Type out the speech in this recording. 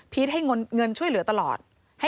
ให้เงินช่วยเหลือตลอด